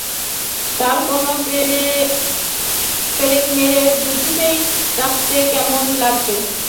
তোর কানে পেরেক মেরে ঝুলিয়ে রাখলে কেমন লাগবে?